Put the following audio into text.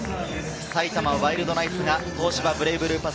埼玉ワイルドナイツが東芝ブレイブルーパス